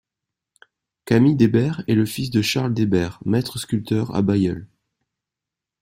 Camille Debert est le fils de Charles Debert, maître sculpteur à Bailleul.